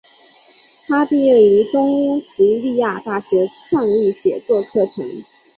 她毕业于东英吉利亚大学创意写作课程。